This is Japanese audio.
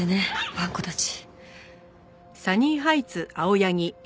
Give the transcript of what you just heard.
わんこたち。